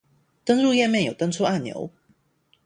登入頁面有登出按鈕？！